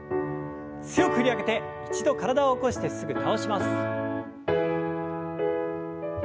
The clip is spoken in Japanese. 強く振り上げて一度体を起こしてすぐ倒します。